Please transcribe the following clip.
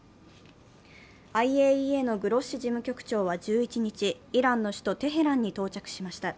ＩＡＥＡのグロッシ事務局長は１１日、イランの首都テヘランに到着しました。